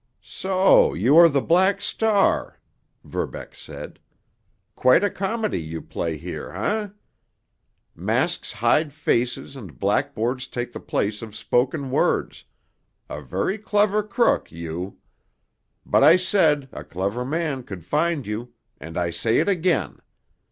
"So you are the Black Star?" Verbeck said. "Quite a comedy you play here, eh? Masks hide faces and blackboards take the place of spoken words. A very clever crook—you. But I said a clever man could find you, and I say it again.